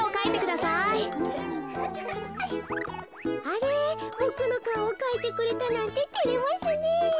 あれボクのかおをかいてくれたなんててれますねえ。